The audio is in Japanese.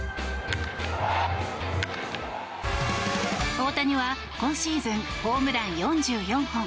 大谷は今シーズンホームラン４４本。